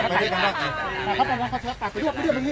ใช่ครับครับครับอ่าขอสองคนครับขอสองคน